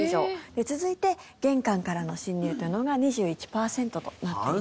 続いて玄関からの侵入というのが２１パーセントとなっています。